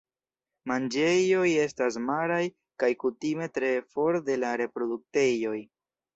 Manĝejoj estas maraj kaj kutime tre for de la reproduktejoj.